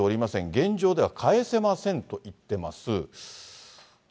現状では返せませんと言っています。